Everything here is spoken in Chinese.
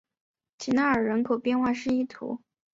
吉纳尔人口变化图示